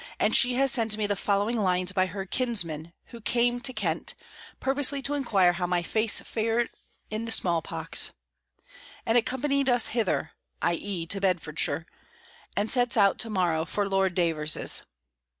And she has sent me the following lines by her kinsman, who came to Kent, purposely to enquire how my face fared in the small pox; and accompanied us hither, [i.e. to Bedfordshire,] and sets out to morrow for Lord Davers's.